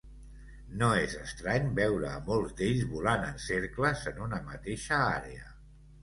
No és estrany veure a molts d'ells volant en cercles en una mateixa àrea.